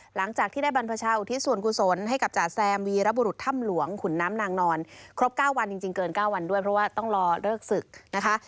หลังจากที่ได้บรรพชาอุทิศส่วนกุศลให้กับจ๋าแซมวีรบุรุษถ้ำหลวงขุนน้ำนางนอนครบ๙วันจริงเกิน๙วันด้วยเพราะว่าต้องรอเลิกศึกนะคะ